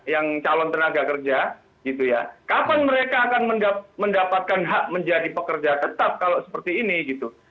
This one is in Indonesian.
yang calon tenaga kerja gitu ya kapan mereka akan mendapatkan hak menjadi pekerja tetap kalau seperti ini gitu